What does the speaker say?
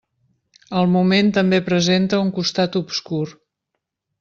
El moment també presenta un costat obscur.